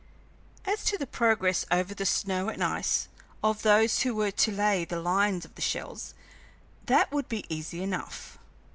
As to the progress over the snow and ice of those who were to lay the lines of shells, that would be easy enough.